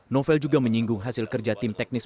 novel juga menyinggung hasil kerja tim teknis